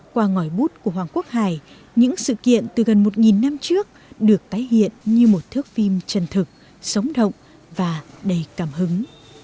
qua ngòi bút của hoàng quốc hải những sự kiện từ gần một năm trước được tái hiện như một thước phim chân thực sống động và đầy cảm hứng